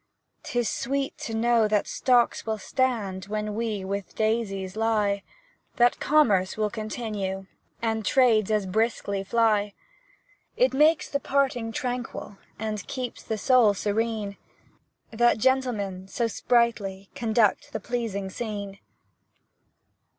'T is sweet to know that stocks will stand When we with daisies lie, That commerce will continue, And trades as briskly fly. It makes the parting tranquil And keeps the soul serene, That gentlemen so sprightly Conduct the pleasing scene!